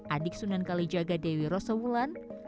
adik sunan kalijaga dewi rosa wulan